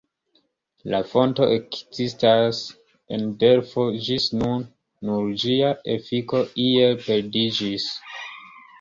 La fonto ekzistas en Delfo ĝis nun, nur ĝia efiko iel perdiĝis.